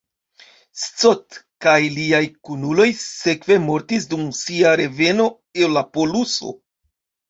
Scott kaj liaj kunuloj sekve mortis dum sia reveno el la poluso.